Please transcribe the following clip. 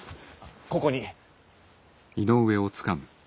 ここに。